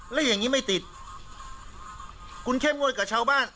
แล้วอย่างนี้ไม่ติดคุณเข้มงวดกับชาวบ้าน